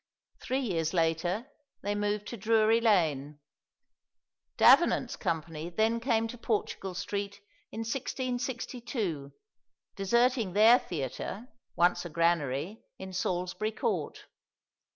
Three years later they moved to Drury Lane. Davenant's company then came to Portugal Street in 1662, deserting their theatre, once a granary, in Salisbury Court.